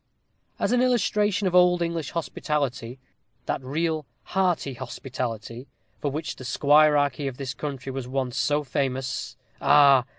As an illustration of old English hospitality that real, hearty hospitality for which the squirearchy of this country was once so famous Ah!